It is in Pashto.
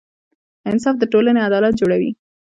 انصاف د ټولنې عدالت جوړوي.